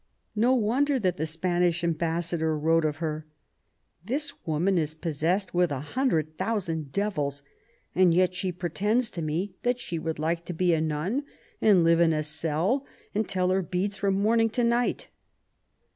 No wonder that :he Spanish ambassador wrote of her :" This woman is possessed with a hundred thousand devils ; and yet she pretends to me that she would like to be a nun, and live in a cell, and tell her beads from morning to night